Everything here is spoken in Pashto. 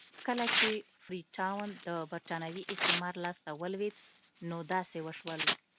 کله چې فري ټاون د برېټانوي استعمار لاس ته ولوېد نو داسې وشول.